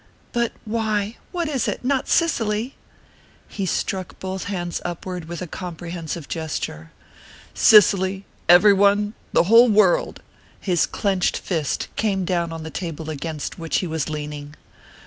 "But why? What is it? Not Cicely ?" He struck both hands upward with a comprehensive gesture. "Cicely everyone the whole world!" His clenched fist came down on the table against which he was leaning.